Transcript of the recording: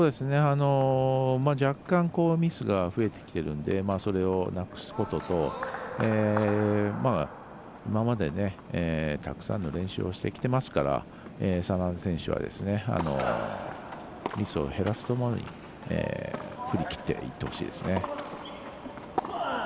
若干ミスが増えてきてるのでそれをなくすことと今まで、たくさんの練習をしてきてますから眞田選手はミスを減らすところに振り切っていってほしいですね。